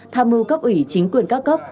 tham mưu cấp ủy chính quyền các cấp